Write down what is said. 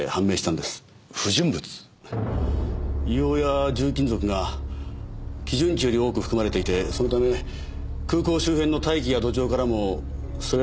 硫黄や重金属が基準値より多く含まれていてそのため空港周辺の大気や土壌からもそれらの成分が。